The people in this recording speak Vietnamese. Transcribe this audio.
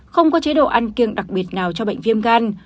không có chế độ ăn kiêng đặc biệt nào cho bệnh viêm gan